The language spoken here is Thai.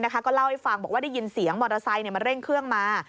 ก็เล่าให้ฟังบอกว่าได้ยินเสียงมอเตอร์ไซค์มาเร่งเครื่องมา